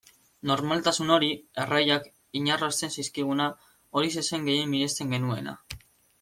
Normaltasun hori, erraiak inarrosten zizkiguna, horixe zen gehien miresten genuena.